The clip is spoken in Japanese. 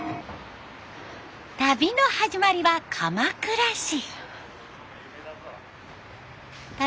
旅の始まりは鎌倉市。